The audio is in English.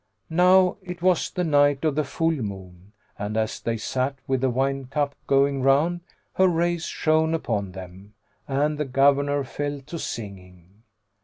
Now it was the night of the full moon and, as they sat with the wine cup going round, her rays shone upon them, and the governor fell to singing.